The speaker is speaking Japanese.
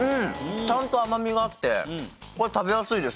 ちゃんと甘みがあってこれ食べやすいです。